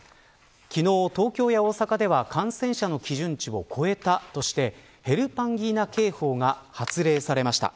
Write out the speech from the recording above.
昨日、東京や大阪では感染者の基準値を超えた、としてヘルパンギーナ警報が発令されました。